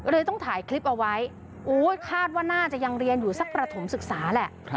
เลยต้องถ่ายคลิปเอาไว้คาดว่าน่าจะยังเรียนอยู่สักประถมศึกษาแหละ